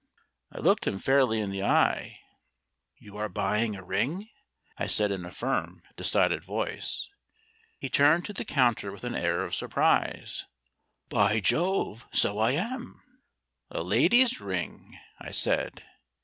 I looked him fairly in the eye. "You are buying a ring," I said in a firm, decided voice. He turned to the counter with an air of surprise. "By Jove, so I am!" "A lady's ring," I said.